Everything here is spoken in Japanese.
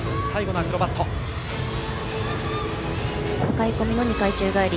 かかえ込みの２回宙返り。